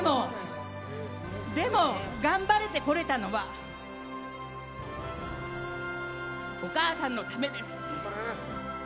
でも、頑張れてこれたのはお母さんのためです。